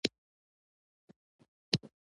د هغه افکار دې نقد شي.